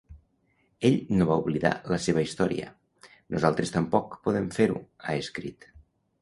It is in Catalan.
Ell no va oblidar la seva història; nosaltres tampoc podem fer-ho, ha escrit.